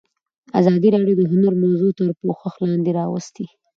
ازادي راډیو د هنر موضوع تر پوښښ لاندې راوستې.